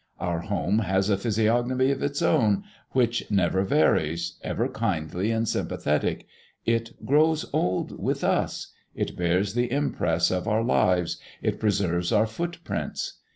Our home has a physiognomy of its own, which never varies, ever kindly and sympathetic. It grows old with us; it bears the impress of our lives; it preserves our footprints.